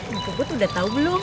bu bubut udah tau belum